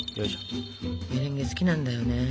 メレンゲ好きなんだよね。